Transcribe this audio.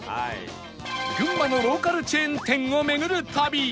群馬のローカルチェーン店を巡る旅